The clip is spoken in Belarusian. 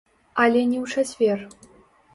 Але не ў чацвер.